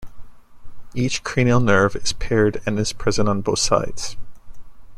Each cranial nerve is paired and is present on both sides.